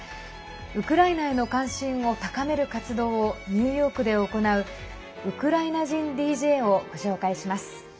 ウクライナへの関心を高める活動をニューヨークで行うウクライナ人ＤＪをご紹介します。